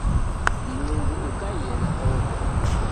Mlungu ukaiye na oho.